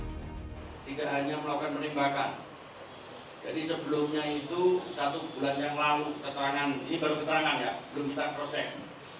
kita tidak hanya melakukan penembakan jadi sebelumnya itu satu bulan yang lalu keterangan ini baru keterangan ya belum kita proses